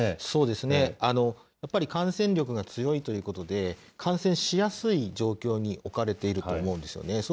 そうですね、やっぱり感染力が強いということで、感染しやすい状況に置かれていると思うんですよね。